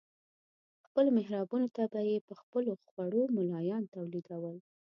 خپلو محرابونو ته به یې په خپلو خوړو ملایان تولیدول.